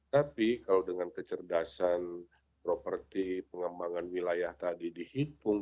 tapi kalau dengan kecerdasan properti pengembangan wilayah tadi dihitung